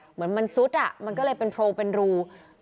เหมือนมันซุดอ่ะมันก็เลยเป็นโพรงเป็นรู